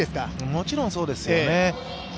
もちろん、そうですよね。